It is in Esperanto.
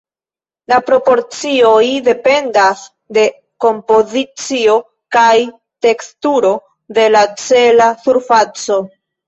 La proporcioj dependas de kompozicio kaj teksturo de la cela surfaco.